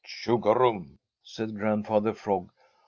"Chugarum!" said Grandfather Frog.